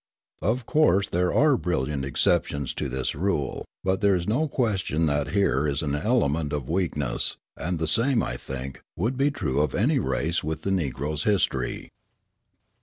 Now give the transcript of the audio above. Of course there are brilliant exceptions to this rule; but there is no question that here is an element of weakness, and the same, I think, would be true of any race with the Negro's history.